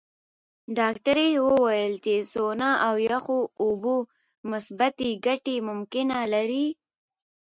ډاکټره وویل چې سونا او یخو اوبو مثبتې ګټې ممکنه لري.